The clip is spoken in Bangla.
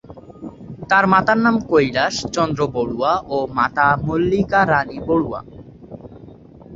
তার পিতার নাম কৈলাশ চন্দ্র বড়ুয়া ও মাতা মল্লিকা রানী বড়ুয়া।